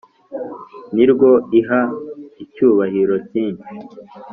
Ni rwo iha icyubahiro cyinshi